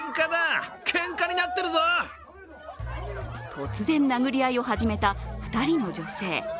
突然、殴り合いを始めた２人の女性。